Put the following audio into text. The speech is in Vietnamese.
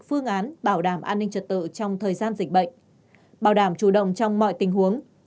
phương án bảo đảm an ninh trật tự trong thời gian dịch bệnh bảo đảm chủ động trong mọi tình huống